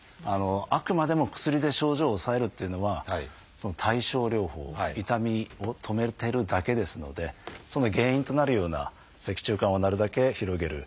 あくまでも薬で症状を抑えるっていうのは対症療法痛みを止めてるだけですのでその原因となるような脊柱管をなるだけ広げる。